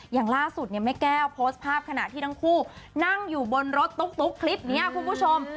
อย่างล่าสุดเนี่ยแม่แก้วโพสต์ภาพขณะที่ทั้งคู่นั่งอยู่บนรถตุ๊กคลิปนี้คุณผู้ชม